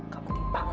kamu senang banget